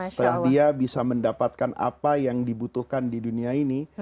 setelah dia bisa mendapatkan apa yang dibutuhkan di dunia ini